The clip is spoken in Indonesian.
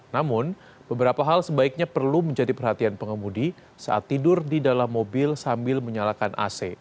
namun beberapa hal sebaiknya perlu menjadi perhatian pengemudi saat tidur di dalam mobil sambil menyalakan ac